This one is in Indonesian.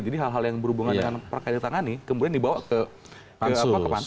jadi hal hal yang berhubungan dengan perkara yang ditangani kemudian dibawa ke pansus